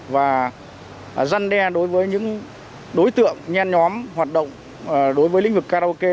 và răn đe đối với những đối tượng nhen nhóm hoạt động đối với lĩnh vực karaoke